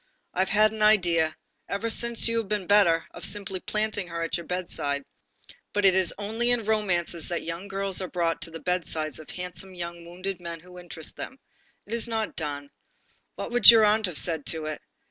I have had an idea, ever since you have been better, of simply planting her at your bedside, but it is only in romances that young girls are brought to the bedsides of handsome young wounded men who interest them. It is not done. What would your aunt have said to it?